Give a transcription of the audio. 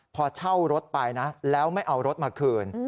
พอเช่ารถไปนะแล้วไม่เอารถมาคืน